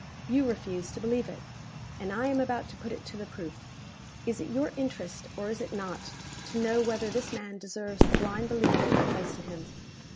You refuse to believe it and I am about to put it to the proof. Is it your interest or is it not, to know whether this man deserves the blind belief that you place in him?"